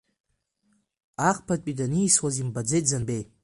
Ахԥатәи данисуаз имбаӡеит Занбеи.